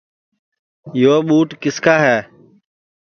یو ٻوٹ کِس کا ہے